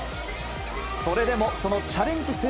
それでもそのチャレンジ